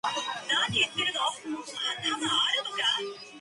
為什麼覺得鏡頭有開美肌